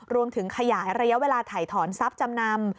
รวมถึงขยายระยะเวลาถ่ายถอนทรัพย์จำนำ